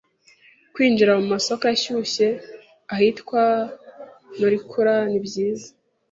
Kwinjira mu masoko ashyushye ahitwa Norikura ni byiza.